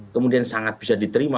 kemudian sangat bisa diterima